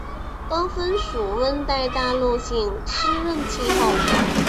多芬属温带大陆性湿润气候。